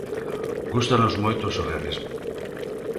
Gústanos moito o surrealismo.